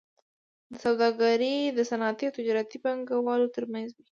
دا سوداګري د صنعتي او تجارتي پانګوالو ترمنځ وي